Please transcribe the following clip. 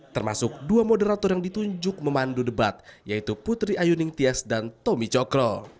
termasuk dua moderator yang ditunjuk memandu debat yaitu putri ayu ningtyas dan tommy cokro